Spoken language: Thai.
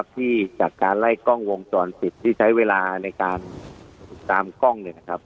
ที่จากการไล่กล้องวงจรปิดที่ใช้เวลาในการตามกล้อง